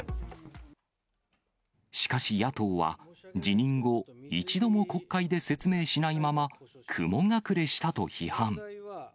しかし野党は、辞任後、一度も国会で説明しないまま、雲隠れしたと批判。